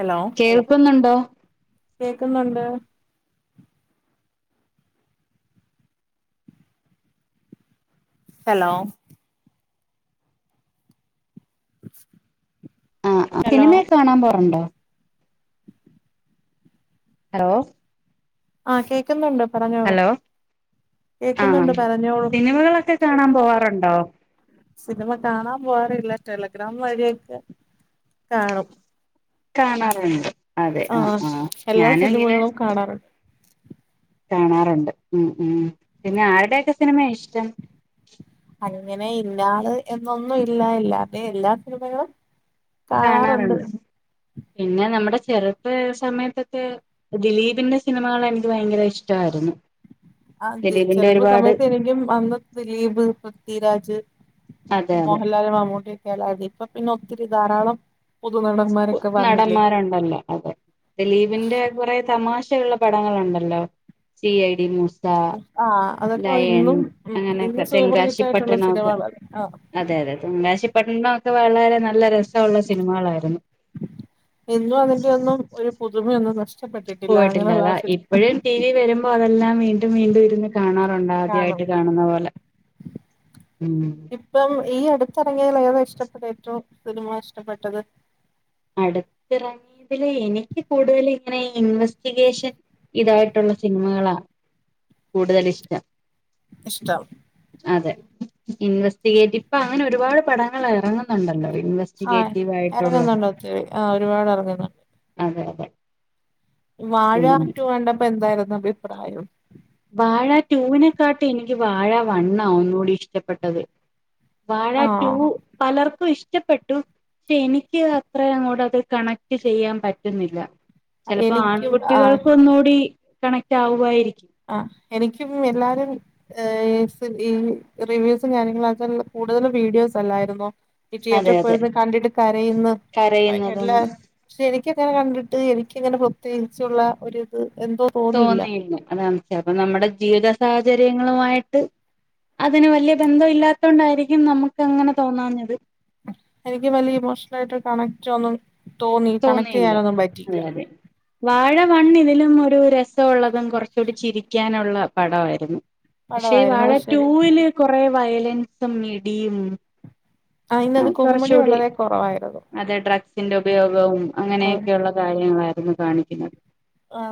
Hello കേൾക്കുന്നുണ്ടോ കേക്കുന്നുണ്ട് hello [inaudible] ആ അ ഹലോ സിനിമയൊക്കെ കാണാൻ പോറുണ്ടോ ഹലോ ആ കേക്കുന്നുണ്ട് പറഞ്ഞോളൂ ഹലോ കേക്കുന്നുണ്ട് പറഞ്ഞോളു ക്കെ കാണാൻ പോവാറുണ്ടോ സിനിമ കാണാൻ പോവാറില്ല ടെലഗ്രാം വഴിയൊക്കെ കാണും കാണാറുണ്ട് അതെ ആ ആ എല്ലാ ഞാനുങ്ങനെ സിനിമകളും കാണാറുണ്ട് കാണാറുണ്ട് മ് മ് പിന്നെ ആരുടെക്കെ സിനിമ യ ഇഷ്ടം അങ്ങനെ ഇന്നാള് എന്നൊന്നും ഇല്ല എല്ലാരുടെ എല്ലാ സിനിമകളും കാണാറുണ്ട് പിന്നെ നമ്മുടെ ചെറുപ്പ സമയത്തൊക്കെ ദിലീപിന്റെ സിനിമകൾ എനിക്ക് ഭയങ്കര ഇഷ്ടവാ യിരുന്നു ആത് ചെലപ്പോ സമയത്ത് എനിക്കും അന്ന് ദിലീപ് പൃഥ്വിരാജ് അതെ അതെ മോഹൻലാല് മമ്മൂട്ടി ഒക്കെ അല്ലതി ഇപ്പ പിന്നെ ഒത്തിരി ധാരാളം കു പുതുനടന്മാരൊക്കെ വന്നില്ലേ നടന്മാരുണ്ടല്ലോ അതെ. ദിലീപിന്റെ കുറെ തമാശയുള്ള പടങ്ങളൊണ്ടല്ലോ സി ഐ ഡി മൂസ ആ അതൊക്കെ ലയൺ ഇന്നും മ് അങ്ങനെയൊക്കെ ഇന്നും സൂപ്പർ ഹിറ്റായിട്ടുള്ള തെങ്കാശിപ്പട്ടണമൊക്കെ സിനിമകള- ആ അതെ അതെ തെങ്കാശി പട്ടണമൊക്കെ വളരെ നല്ല രസമുള്ള സിനിമകളായിരുന്നു ഇന്നും അതിന്റെറെ ഒന്നും ഒരു പുതുമയൊന്നും നഷ്ടപ്പെട്ടിട്ടില്ല പോയിട്ടില്ലാതാ അങ്ങനെയുള്ളസ് ഇപ്പോഴും ടി വി വരുമ്പോ അതെല്ലാം വീണ്ടും വീണ്ടും ഇരുന്ന് കാണാറുണ്ട് കാണും ആദ്യായിട്ട് കാണുന്ന പോലെ മ്മ് ഇപ്പം ഈ അടുത്ത്റങ്ങിയതിൽ ഏതാ ഇഷ്ടപ്പെട്ടത് ഏറ്റവും സിനിമ ഇഷ്ടപ്പെട്ടത് അടുത്തിറങ്ങിയതിൽ എനിക്ക് കൂടുതൽ ഇങ്ങനെ ഇൻവെസ്റ്റിഗേഷൻ ഇതായിട്ടുള്ള സിനിമകളാ കൂടുതൽ ഇഷ്ടം ഇഷ്ടം അതെ ഇൻവെസ്റ്റിഗേറ്റ് പ്പൊ അങ്ങനെ ഒരുപാട് പടങ്ങൾ ഇറങ്ങുന്നുണ്ടല്ലോ ഇൻവെസ് ആഹ് ഇറങ്ങുന്നുണ്ട ഒത്തിരി ആഹ് ഒരുപാട് ഇറങ്ങുന്നുണ്ട് അതെ അതെ പിന്നെ വാഴാറ്റു കണ്ടപ്പോ എന്തായിരുന്നു അഭിപ്രായം വാഴ ടുവിനെക്കാട്ടി എനിക്ക് വാഴ വണ്ണാ ഒന്നുകൂടി ഇഷ്ടപ്പെട്ടത് വാഴ ടു ആഹ് പലർക്കും ഇഷ് ഷ്ടപ്പെട്ടു ക്ഷെ എനിക്ക് അത്ര അങ്ങോട്ടത് കണക്ട് ചെയ്യാൻ പറ്റുന്നില്ല ചിലപ്പോ എനിക്കും ആഹ് ആൺകുട്ടികൾക്ക് ഒന്നുകൂടി കണക്ട് ആവുയിരിക്കും ആഹ് എനിക്കും എല്ലാരും ഏഹ് [unintelligible] ഈ റിവ്യൂസ് കരങ്ങള്ളൊക്കെ ആൾകാര് കൂടുതല് വീഡിയോസ് അല്ലായിന്നോ ഈ അതെ തിയേറ്ററി അതെ പോയിന്ന് കണ്ടിട്ട് കരയുന്ന് കരയുന്നതും എല്ലാ പക്ഷെ എനിക്ക് എങ്ങനെ കണ്ടിട്ട് എനിക്കങ്ങനെ പ്രത്യേകിച്ചുള്ള ഒരു ഇത് എന്തോ തോന്നിയില്ല അതണ് ചെലപ്പൊ നമ്മുടെ ജീവിത സാഹചര്യങ്ങളുമായിട്ട് അതിന് വലിയ ബന്ധം ഇല്ലാത്തോട് ണ്ടായിരിക്കും നമുക്ക് അങ്ങനെ തോന്നാഞത് എനിക്ക് വലിയ ഇമോഷണൽ ആയിട്ട് കണക്ട് ഒന്നും തോന്നി കണക്ട് ചെയ്യാനൊന്നും പറ്റിയില്ല വാഴവണ്ണ് ഇതിലും ഒരു രസമുള്ളതും കുറച്ചുകൂടി ചിരിക്കാനുള്ള പടവായിരുന്നു പക്ഷേ പടമായിരുന്നു വാഴ അത് ശരി ടൂവില് കുറെ വയലൻസും മടിയും ആഹ് ആ ഇന്നത് കോമഡി കുറച്ചുകൂടി വളരെ കുറവായിരുന്നു അതെ ഡ്രഗ് ഗ് ന്റെ ഉപയോഗവും അങ്ങനെയൊക്കെയുള്ള കാര്യങ്ങളായിരുന്നു കാണിക്കുന്നത്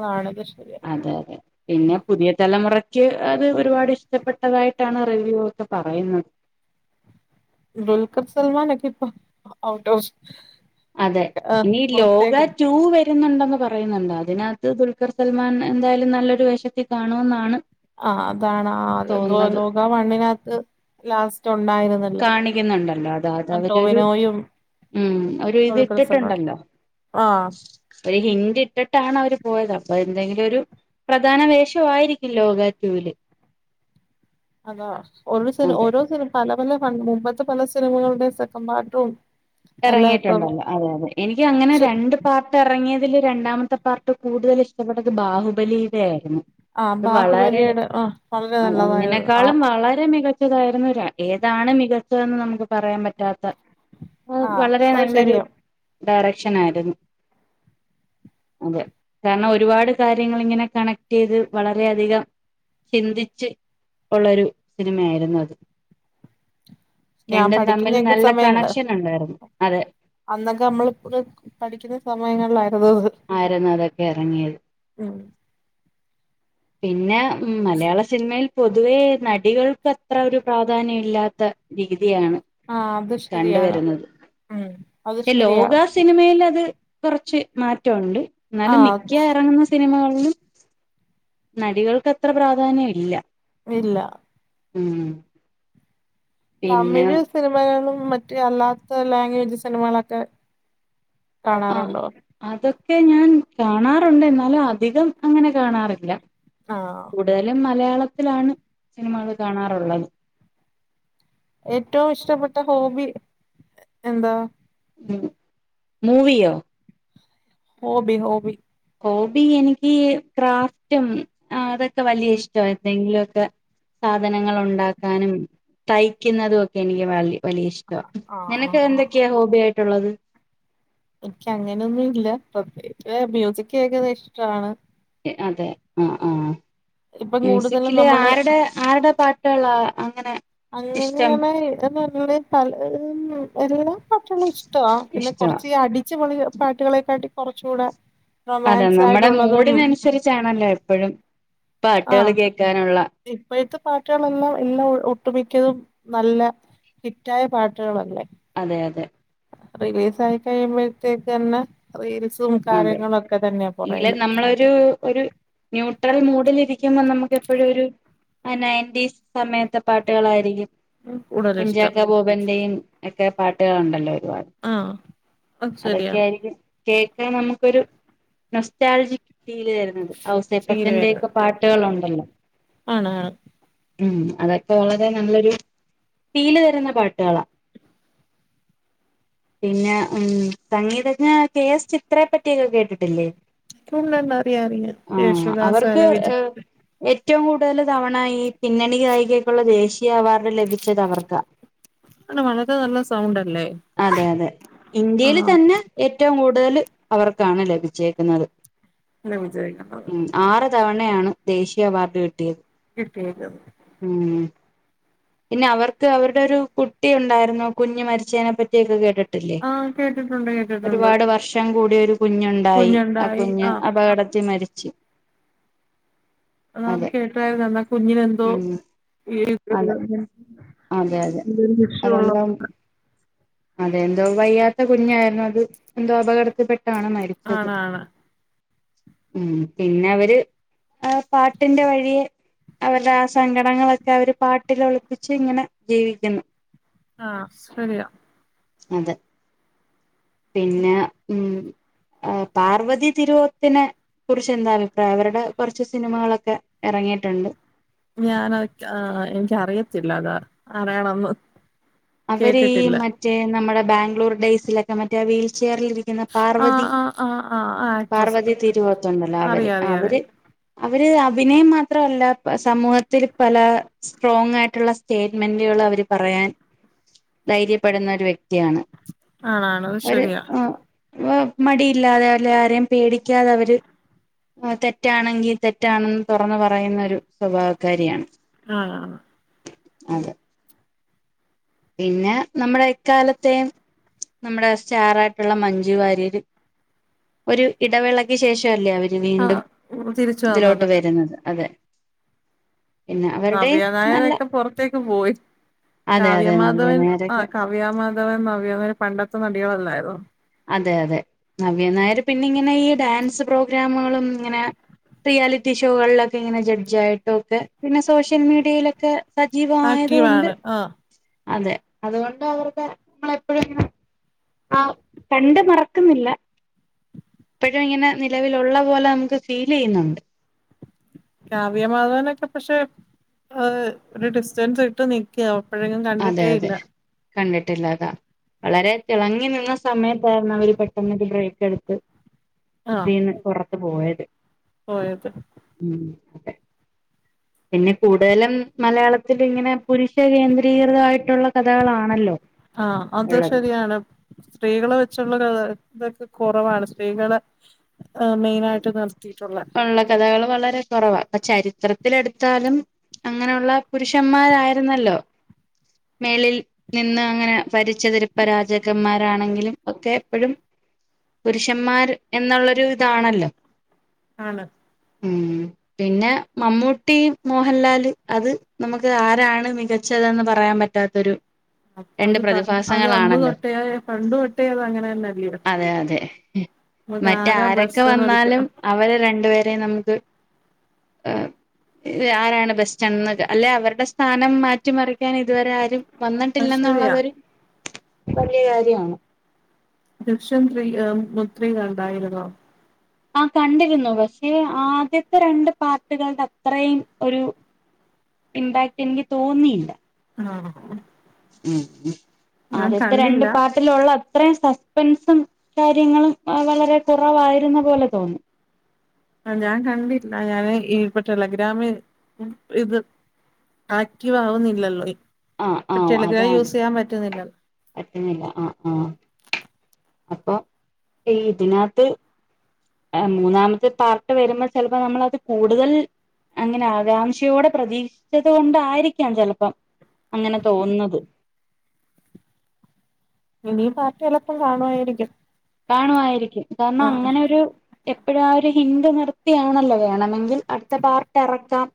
വാണങ്കി ശരിയാ അതെ അതെ പിന്നെ പുതിയ തലമുറക്ക് അത് ഒരുപാട് ഇഷ്ടപ്പെട്ടതായിട്ടാണ് റിവ്യൂ ഒക്കെ പറയുന്നെ ദുൽക്കർ സൽമാൻ ക്കിപ്പൊ ഔട്ട ഫ് അതെ ഇനി ലോക ടൂ വെ രുന്നുണ്ടെന്ന് പറയുന്നുണ്ട് അതിനകത്ത് ദുൽഖർ സൽമാൻ എന്തായാലും നല്ലൊരു വേശത്തി കാണുമെന്നാണ് ആഹ് അതാണ് ആ തോന്നുന്നത് ലോക വണ്ണിനകത്ത് ലാസ്റ്റ് ഉണ്ടായിരുന്ന് കാണിക്കുന്നുണ്ടല്ലോ അത അത് അവരെ രു ഉം ഒര് ഇത് ഇട്ടിട്ടുണ്ടല്ലോ ആഹ് ട്രേ ഹിന്ദി ഇട്ടിട്ടാണ് അവര് പോയത് അപ്പൊ എന്തെങ്കിലും ഒരു പ്രധാന വേഷം ആയിരിക്കും ലോകാ ടൂവില് അതാ ഓ സിന അതെ ഓരോ സിനിമ പല പല പ മുമ്പത്തെ പല സിനിമകളുടെ സെക്കൻ പാട്ടും ഇറങ്ങിയിട്ടുണ്ടല്ലോ അതെ അതെ എനിക്ക് അങ്ങനെ പക്ഷെ രണ്ട് പാർ ട്ട് ഇറങ്ങിയതില് രണ്ടാമത്തെ പാർട്ട് കൂടുതൽ ഇഷ്ടപ്പെട്ടത് ബാഹുബലിയുടെ ആയിരുന്നു ആഹ് അത് വളരെ ബാഹുബലിയുടെ ആഹ് വളരെ ആ നല്ലതായിരുന്നു ഒന്നിനെക്കാളും ആഹ് വളരെ മിക ച്ചതായിരുന്നു ര ഏതാണ് മികച്ചതെന്ന് നമുക്ക് പറയാൻ പറ്റാത്ത അത് ആഹ് വളരെ അത് നല്ലൊരു ശരിയാ ഡയറക്ഷനാരുന്നു അതെ കാരണം ഒരുപാട് കാര്യങ്ങളിങ്ങനെ കണക്ട് ചെയ്ത് വളരെയധികം ചിന്തിച്ച് ഒള്ളൊരു സിനിമ ആരുന്നു അത് ഞാൻ രണ്ടും തമ്മിൽ പഠിക്കുന്നൊക്കെ നല്ല സമയങ്ങള് കണക്ഷൻ ഉണ്ടായിരുന്നു അതെ അന്നൊക്കെ നമ്മളു പു പഠിക്കുന്ന സമയങ്ങളിലായിരുന്നത് ആരുന്നു അതൊക്കെ എറങ്ങിയത് ഉം പിന്നെ മം മലയാള സിനിമയിൽ പൊതുവേ നടികൾക്കത്ര ഒരു പ്രാധാന്യം ഇല്ലാത്ത രീതിയാണ് ആഹ് അത് ശരിയാണ് കണ്ടുവരുന്നത് ഉം അത് ശരിയാണ് സിനിമേലത് കുറച്ച് മാറ്റൊണ്ട് എന്നാലും ആഹ് മിക്ക അത് ശ- എറങ്ങുന്ന സിനിമകളിലും നടികൾക്കത്ര പ്രാധാന്യം ഇല്ല ഇല്ല ഉം പിന്നെ തമിഴ് സിനിമകളും മറ്റ് അല്ലാത്ത ലാഗ്വേജ് സിനിമകളൊക്കെ ആ കാണാറുണ്ടോ അതൊക്കെ ഞാൻ കാണാറുണ്ട് എന്നാലും അധികം അങ്ങനെ കാണാറില്ല ആണോ കൂടുതലും മലയാളത്തിലാണ് സിനിമകള് കാണാറുള്ളത് ഏറ്റവും ഇഷ്ടപ്പെട്ട ഹോബി എന്താ ഉം മൂവിയോ ഹോബി ഹോബി ഹോബി എനിയ്ക്കേ ക്രാഫ്റ്റും അതൊക്കെ വലിയ ഇഷ്ടാ എന്തെങ്കിലൊക്കെ സാധനങ്ങൾ ഒണ്ടാക്കാനും തയ്ക്കുന്നതും ഒക്കെ എനിക്ക് വലിയ ഇഷ്ട്ട് ആഹ് നിനക്ക് ആഹ് ആഹ് എന്തൊക്കെയാ ഹോബി ആയിട്ടുള്ളത് എനിയ്ക്ക് അങ്ങനെയൊന്നും ഇല്ല പ്രത്യേകിച്ച് മ്യൂസിക് കേക്കുന്നെ ഇഷ്ടാണ് അതെ ആഹ് ആഹ് ഇപ്പം കൂടുതലും മ്യൂസിക്കില് നമ്മള് ആരുടെ ആരുടെ പാട്ടുള്ളാ അങ്ങനെ ഇഷ്ടം അങ്ങനെയാണ് ഏതെന്നു പറഞ്ഞാലേ പല എല്ലാ പാട്ടുകളും ഇഷ്ടാ പിന്നെ ഇഷ്ട കൊറച്ചീ അടിച്ചു പൊളി പാട്ടുകളെക്കാട്ടി കുറച്ചൂടെ അതെ നമ്മടെ മൂഡിനനുസരിച്ചാണല്ലോ എപ്പഴും പാട്ടുകൾ കേൾക്കാനുള്ള ഇപ്പയത്തെ പാട്ടുകളെല്ലാം എല്ലാം ഒട്ടുമിക്കതും നല്ല ഹിറ്റായ പാട്ടുകളല്ലേ അതെ അതെ റിലീസായി കഴിയുമ്പഴത്തേക്കന്നെ റീൽസും അതെ കാര്യങ്ങളും ഒക്കെ തന്നെയാ എങ്കിലും പോറകിലെ നമ്മളൊരു ഒരു ന്യൂട്രൽ മൂഡിലിരിക്കുന്നാ നമുക്ക് എപ്പഴും ഒരു അഹ് നയന്റീസ്‌ സമയത്തെ പാട്ടുകളായിരിക്കും കൂടുതൽ ഇഷ്ടം കുഞ്ചാക്കോ ബോബൻന്റെയും എക്കെ പാട്ടുകളുണ്ടല്ലോ ഒരുപാട് ആഹ് അത് ശരിയാ അതൊക്കെയായിരിക്കും കേക് ക്കേ നമുക്കൊരു നൊസ്ൾസ്റ്റാജിക് ഫീലു തരുന്നത് ഔസേപ്പച്ചന്റെയൊക്കെ പാട്ട് ട്ടുകളുണ്ടല്ലോ ആണെ ആണ് ഉം അതൊക്കെ വളരെ നല്ലൊരു ഫീലു തരുന്ന പാട്ടുകളാ പിന്നെ ഉം സംഗീതജ്ഞ കെ എസ് ചിത് ത്രേ പറ്റിയൊക്കെ കേട്ടിട്ടില്ലേ അറിയാം അറിയാം ആഹ് യേശുദാസെ അവർക്ക് വിജയ് ഏഹ് ഏറ്റവും കൂടുതൽ തവണ ഈ പിന്നണി ഗായികക്കുള്ള ദേശീയ അവാർഡ് ലഭിച്ചത് അവർക്ക അ വളരെ നല്ല സൗണ്ടല്ലേ അതെ ഇന്ത്യയിൽ ആഹ് തന്നെ ഏറ്റവും കൂടുതൽ അവർക്കാണ് ലഭിച്ചേക്കുന്നത് ഉം [unintelligible] ആറ് തവണയാണ് ദേശീയ അവാർഡ് കിട്ടിയത് കിട്ടിയത് ഉം പിന്നെ അവർക്ക് അവരുടെ ഒരു കുട്ടി ഉണ്ടായിരുന്നു കുഞ് മരിച്ചതിനെപ്പറ്റിയൊക്കെ കേട്ടിട്ടു ആഹ് കേട്ടിട്ടുണ്ട് കേട്ടിട്ടുണ്ട് ഒരുപാട് വർഷം കൂടി ഒരു കുഞ്ഞുണ്ടായി ആ കുഞ്ഞുണ്ടായി കുഞ്ഞ് ആഹ് അപകടത്തിൽ മരിച്ച് എന്ന അതെ കേട്ടായിരുന്നു എന്നാ കുഞ്ഞിന എന്തോ ഉം അതെ അതെ അതെ അതെന്താ അതെന്തോ വയ്യാത്ത കുഞ്ഞായിരുന്നു അത് എന്തോ അപകടത്തിൽപ്പെട്ടാണ് മ ആണാണ് ഉം പിന്നെ അവര് ആഹ് പാട്ടിന്റെ വഴിയെ അവരുടെ ആ സങ്കടങ്ങളൊക്കെ അവര് പാട്ടിലൊള ച്ച് ഇങ്ങനെ ജീവിക്കുന്നു ആഹ് ശരിയാ അതെ പിന്നെ ഉം ആഹ് പാർവതി തിരുവോത്തിനെ കുറച്ച് എന്താ അഭിപ്രായം അവരുടെ കുറച്ച് സിനിമകളൊക്കെ ഇറങ്ങിയിട്ടുണ്ട് ഞാന എനിക്കറിയത്തില്ല അതാ അറിയണംന്ന് അവര് മറ്റേ നമ്മുടെ ബാംഗ്ലൂർ ഡേയ്സിലൊക്കെ മറ്റേ വീൽ ചെയെറിൽ ഇരിക്ക ുന്ന പാർവതി ആഹ് ആഹ് ആഹ് ആഹ് ആ ആക്ട്രസ് പാർവതി തിരുവോത്തുണ്ടല്ലോ അവര് അറിയാം അറിയാം അവര് അറിയാം അവര് അഭിനയം മാത്രമല്ല സമൂഹത്തിൽ പല സ്ട്രോങ് ആയിട്ടുള്ള സ് സ്റ്റേറ്റ്മെന്റുകള് അവര് പറയാൻ ധൈര്യപ്പെടുന്ന ഒരു വ്യക്തിയാണ് ആണാണ് അത് അവര് ശരിയാ ആ ഓ മടിയില്ലാതെ അല്ല ആരെയും പേടിക്കാതെ അവര് തെറ്റാണെങ്കി തെറ്റാണെന്ന് തുറന്ന് പറയുന്ന ഒരു സ്വഭാവക്കാരിയാണ്. ആഹ് അതെ.. പിന്നെ നമ്മടെ എക്കാലത്തെയും നമ്മടെ സ്റ്റാറായിട്ടുള്ള മഞ്ജു വാര്യര് ഒരു ഇടവേളക്ക് ശേഷ അല്ലേ അവര് വീണ്ടും ആഹ് തിരിച്ചു ഇതിലോട്ട് വന്നത് വരുന്നത് അതെ.. പിന്നെ അവരുടെയും നവ്യ നല്ല നായരൊക്കെ പുറത്തേക്ക് പോയി അതെ അതെ നല്ല കാവ്യമാധവൻ നേരൊക്കെ ആഹ് ക കാവ്യാമാധവൻ നവ്യ നായർ പണ്ടത്തെ നടികൾ അല്ലായിരുന്നോ? അതെ അതെ നവ്യ നായര് പിന്നെ ഇങ്ങനെ ഈ ഡാൻസ് പ്രോഗ്രാമുകളും ഇങ്ങനെ റിയാലിറ്റി ഷോകളിലൊക്കെ ഇങ്ങനെ ജഡ്ജ് ആയിട്ടുക്കെ പിന്നെ സോഷ്യൽ മീഡിയയിലൊക്കെ സജീവായതുകൊണ്ട് ആക്റ്റീവാണ് ആഹ് അതെ അതുകൊണ്ട് അവരുടെ നമ്മളേപ്പോഴുംങ്ങനെ ആ കണ്ട് മറക്കുന്നില്ല. എപ്പോഴും ഇങ്ങനെ നിലവിലൊള്ള പോലെ നമുക്ക് ഫീൽ ചെയ്യുന്നുണ്ട്. കാവ്യമാധവാനൊക്കെ പക്ഷെ ഒരു ഡിസ്റ്റൻസ് ഇട്ട് നി ക്ക്യാ പ്പഴെങ്ങും അതെ കണ്ടിട്ടേ ഇല്ല. അതെ കണ്ടിട്ടില്ലാതാ വളരെ തിളങ്ങി നിന്ന സമയത്തായിരുന്നു അവര് പെട്ടെന്നൊര് ബ്രേക്ക് എടുത്ത് ആഹ് ഇതീന്ന് പൊറത്ത് പോയത്. പോയത്. ഉം പിന്നെ കൂടുതലും മലയാളത്തിൽ ഇങ്ങനെ പുരുഷ കീ കൃതമായിട്ടുള്ള കഥകളാണല്ലോ ആഹ് അത് ഇള്ളത്. ശരിയാണ് സ്ത്രീകളെ വെച്ചുള്ളര് ഇതൊക്കെ കൊറവാണ് സ്ത്രീകള് ആഹ് മെയിനായിട്ട് നിർത്തിയിട്ടുള്ളെ ഉള്ള കഥകള് വളരെ കൊറവാ. ഇപ്പ ചരിത്രത്തിലെടുത്താലും അങ്ങനെയുള്ള.. പുരുഷന്മാരായിരുന്നല്ലോ? മേളിൽ നിന്ന് അങ്ങനെ ഭരിച്ചത് ഇപ്പ രാജാക്കന്മാരാണെങ്കിലും ഒക്കെ എപ്പഴും. പുരുഷന്മാർ എന്നുള്ളൊരു ഇതാണല്ലോ ആണ്. ഉം പിന്നെ മമ്മൂട്ടി മോഹൻലാല് അത് നമുക്ക് ആരാണ് മികച്ചതെന്ന് പറയാൻ പ റ്റാത്തൊരു രണ്ട് അത് പണ്ട് അത് അന്ന് പ്രതിഭാസങ്ങളാണല്ലോ. തൊട്ടേ പണ്ട് തൊട്ടേ അത് അങ്ങനെ തന്നെല്ലയോ അതെ അതെ. നമുക്ക് ആരാ മറ്റാരൊക്കെ ബെസ്റ്റ്ന്ന് വന്നാലും ഒരിക്കലും അവര് രണ്ടുപേരേം നമുക്ക് ഏഹ് ആരാണ് ബസ്റ്റ് എന്ന്. അല്ലെ അവരുടെ സ്ഥാനം മാറ്റിമറിക്കാൻ ഇതുവരെ ആരും. അത് ശരിയാ വന്നിട്ടില്ലെന്നുള്ളതൊരു വലിയ കാര്യവാണ്. ദൃശ്യം ത്രീ ഏഹ് ത്രീ കണ്ടായിരുന്നോ? ആഹ് കണ്ടിരുന്നു. പക്ഷെ ആദ്യത്തെ രണ്ട് പാർട്ടികളുടെ അത്രയും ഒരു ഇമ്പാക്ട് എനിക്ക് തോന്നിയില്ല. ആഹ് ഒ [unintelligible] ഉം ഉം ആദ്യത്തെ രണ്ട് കണ്ടില്ല പാർ ട്ടിലുള്ള അത്രയും സസ്പെൻസും കാര്യങ്ങളും വളരെ കുറവായിരുന്ന പോലെ തോന്നും. ആഹ് ഞാൻ കണ്ടില്ല. ഞാന് ഈ ടെലഗ്രാമി ഇത് ആക്റ്റീവ് ആവുന്നില്ലല്ലോ. ആ ആ ഇപ്പ ടെലഗ്രാം അതാണ് യൂസ് ചെയ്യാൻ പറ്റുന്നില്ല. പറ്റുന്നില്ല. ആഹ് ആഹ് അപ്പൊ ഈ ഇതിനിത്ത് മൂന്നാമത്തെ പാർട്ട് വരുമ്പോൾ ചിലപ്പോ നമ്മളത് കൂടുതൽ അങ്ങനെ ആകാംക്ഷയോടെ പ്രതീക്ഷിച്ചത് കൊണ്ടായിരിക്കാം ചിലപ്പം അങ്ങനെ തോന്നുന്നത്. ഇനി പാർട്ട് ചിലപ്പം കാണുവായിരിക്കും. കാണുവായിരിക്കും. കാരണം അങ്ങനെ ഒരു എപ്പോഴും ആഹ് ഒരു ഹിൻ്റ് നിർത്തിയാണല്ലോ വേണമെങ്കിൽ അടുത്ത പാർട്ട് എറക്കാം.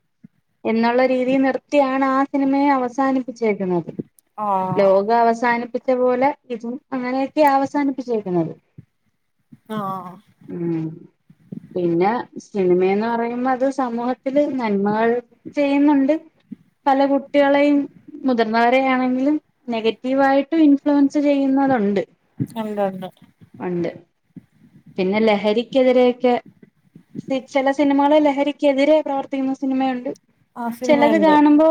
എന്നുള്ള രീതിയിൽ നിർത്തിയാണ് ആഹ് സിനിമയും അവസാനിപ്പിച്ചേക്കുന്നത്. ആഹ് ലോക അവസാനിപ്പിച്ച പോലെ ഇതും അങ്ങനെയൊക്കെയാ അവസാനിപ്പിച്ചേക്കുന്നത്. ആഹ് ആഹ് ഉം പിന്നെ സിനിമയെന്ന് പറയുമ്പോ അത് സമൂഹത്തില് നന്മകൾ ചെയ്യുന്നുണ്ട് പല കുട്ടികളെയും മുതിർന്നവരെ ആണെങ്കിലും നെഗറ്റീവായിട്ടും ഇൻഫ്ലുവൻസ് ചെയ്യുന്നതുണ്ട്. ഉണ്ട് ഉണ്ട്. ഉണ്ട്. പിന്നെ ലഹരിക്കെതിരെയൊക്കെ ചെല സിനിമകള് ലഹരിക്കെതിരെ പ്രവർത്തിക്കുന്ന സിനിമയുണ്ട്. ആ ചിലത് സിനിമയുണ്ട് കാണുമ്പോ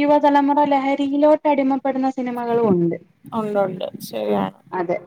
യുവതലമുറ ലഹരിയിലോട്ട് അടിമ പ്പെടുന്ന സിനിമകളും ഉണ്ട്. ഉണ്ടുണ്ട് ശരിയാണ് അതെ